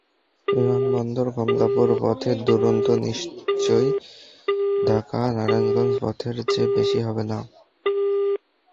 বিমানবন্দর-কমলাপুর পথের দূরত্ব নিশ্চয়ই ঢাকা নারায়ণগঞ্জ পথের চেয়ে বেশি হবে না।